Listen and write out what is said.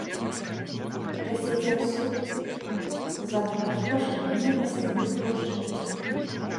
Часцей за ўсё, за кошт пашырэння пасяўных плошчаў.